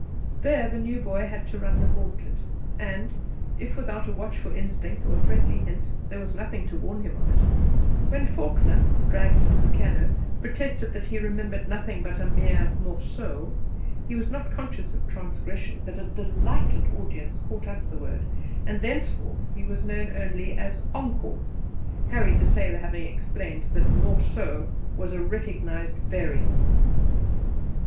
There the new boy had to run the gauntlet, and, if without a watchful instinct or a friendly hint, there was nothing to warn him of it. When Faulkner dragged to the piano protested that he remembered nothing but a mere 'morceau,' he was not conscious of transgression, but a delighted audience caught up the word, and thenceforth he was known only as 'Ankore' Harry the Sailor having explained that 'more so' was a recognized variant.